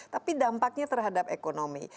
tapi dampaknya terhadap ekonomi